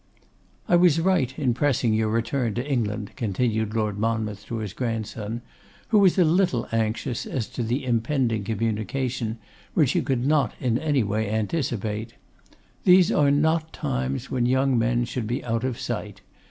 'I was right in pressing your return to England,' continued Lord Monmouth to his grandson, who was a little anxious as to the impending communication, which he could not in any way anticipate. 'These are not times when young men should be out of sight.